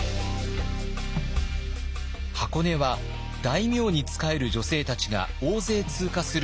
箱根は大名に仕える女性たちが大勢通過する場所でもありました。